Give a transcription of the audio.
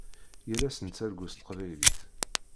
Yal ass yettargu s teqbaylit.